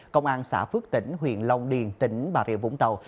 công an xã phước tỉnh huyện long điền tỉnh bà rịa vũng tàu